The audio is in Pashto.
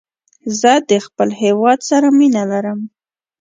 زه د خپل هېواد سره مینه لرم